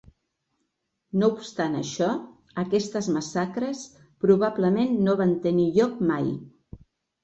No obstant això, aquestes massacres probablement no van tenir lloc mai.